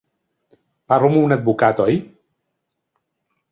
Parlo amb un advocat, oi?